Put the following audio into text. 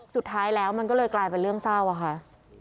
สุดท้ายแล้วมันก็เลยกลายเป็นเรื่องเศร้าอะค่ะ